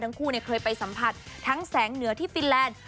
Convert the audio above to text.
ทั้งคู่เคยไปสัมผัสทั้งแสงเหนือที่ฟินแลนด์